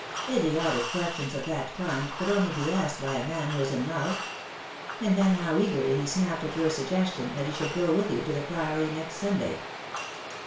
Idiotic questions of that kind could only be asked by a man who was in love. And then how eagerly he snapped at your suggestion that he should go with you to the Priory next Sunday."